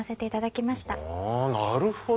なるほど。